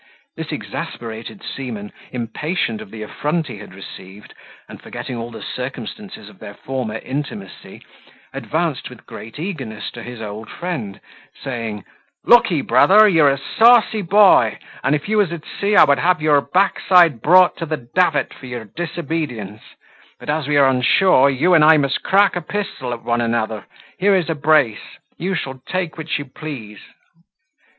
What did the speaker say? This exasperated seaman, impatient of the affront he had received, and forgetting all the circumstances of their former intimacy, advanced with great eagerness to his old friend, saying, "Look ye, brother, you're a saucy boy, and if you was at sea, I would have your backside brought to the davit for your disobedience; but as we are on shore, you and I must crack a pistol at one another: here is a brace; you shall take which you please."